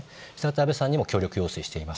安倍さんにも協力要請しています。